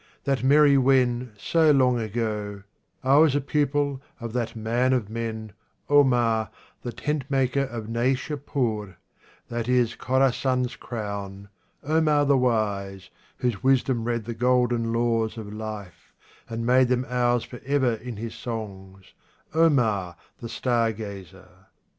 that merry When so long ago — I was a pupil of that man of men, Omar, the Tent Maker of Naishapur, That is Khorassan's crown, Omar the wise, Whose wisdom read the golden laws of life, And made them ours for ever in his songs, Omar the star gazer.